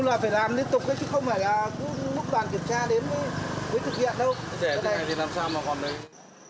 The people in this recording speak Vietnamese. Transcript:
thu là phải làm liên tục chứ không phải là mức bàn kiểm tra đến với thực hiện đâu